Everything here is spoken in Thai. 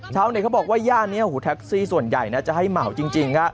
เขาบอกว่าย่านนี้แท็กซี่ส่วนใหญ่นะจะให้เหมาจริง